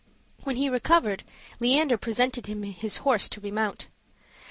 When he recovered, Leander presented him his horse to remount.